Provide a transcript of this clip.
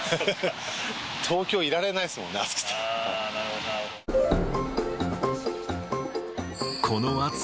東京いられないですもんね、暑くて。